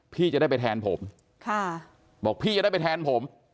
พี่จะได้ไปแทนผมบอกพี่จะได้ไปแทนผม